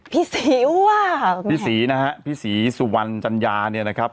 พี่ศรีว่ะพี่ศรีนะฮะพี่ศรีสุวรรณจัญญาเนี่ยนะครับ